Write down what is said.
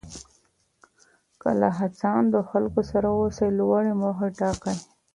که له هڅاندو خلکو سره اوسئ لوړې موخې ټاکئ.